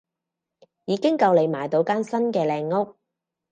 已經夠你買到間新嘅靚屋